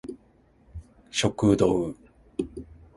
食堂